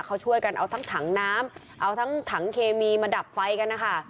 เขาช่วยกันเอาทั้งถังน้ำเอาทั้งถังเคมีมาดับไฟกันนะคะ